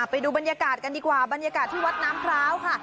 ไปดูบรรยากาศกันดีกว่าบรรยากาศที่วัดน้ำพร้าวค่ะ